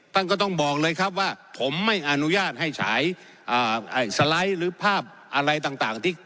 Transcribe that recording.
ท่านก็ต้องบอกเลยครับว่าผมไม่อนุญาตให้ฉายสไลด์หรือภาพอะไรต่างที่